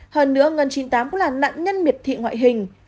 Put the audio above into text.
hơn nữa ngân chín mươi tám là nạn nhân miệt thị ngoại hình